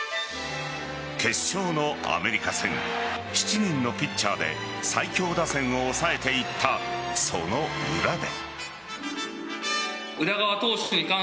決勝のアメリカ戦７人のピッチャーで最強打線を抑えていったその裏で。